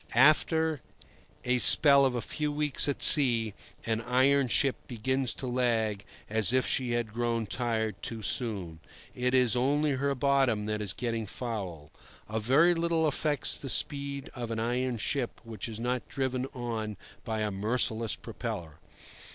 After a spell of a few weeks at sea, an iron ship begins to lag as if she had grown tired too soon. It is only her bottom that is getting foul. A very little affects the speed of an iron ship which is not driven on by a merciless propeller.